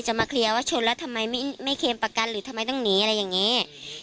มาเคลียร์ว่าชนแล้วทำไมไม่เคลมประกันหรือทำไมต้องหนีอะไรอย่างนี้